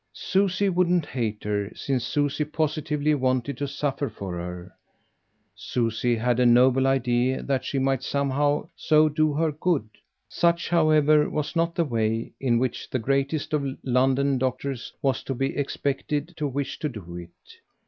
Susie wouldn't hate her, since Susie positively wanted to suffer for her; Susie had a noble idea that she might somehow so do her good. Such, however, was not the way in which the greatest of London doctors was to be expected to wish to do it.